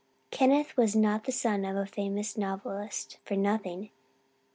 Kenneth was not the son of a famous novelist for nothing.